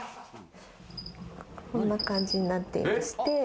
こんな感じになっていまして。